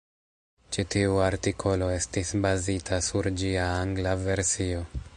Ĉi tiu artikolo estis bazita sur ĝia angla versio.